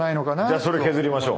じゃあそれ削りましょう。